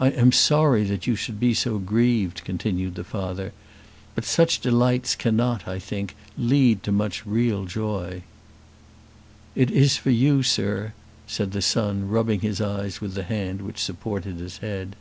"I am sorry that you should be so grieved," continued the father, "but such delights cannot, I think, lead to much real joy." "It is for you, sir," said the son, rubbing his eyes with the hand which supported his head.